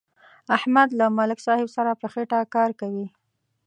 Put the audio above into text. احمد له ملک صاحب سره په خېټه کار کوي.